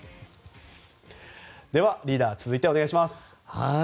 では、リーダー続いてお願いします。